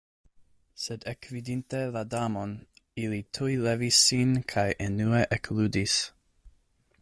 Sed ekvidinte la Damon, ili tuj levis sin kaj enue ekludis.